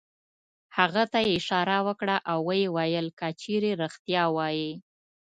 هغه ته یې اشاره وکړه او ویې ویل: که چېرې رېښتیا وایې.